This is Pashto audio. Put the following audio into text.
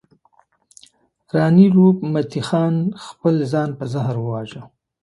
راني روپ متي خپل ځان په زهر وواژه.